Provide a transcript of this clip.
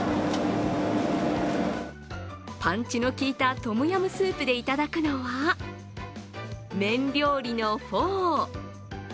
パンチの効いたトムヤムスープでいただくのは麺料理のフォー。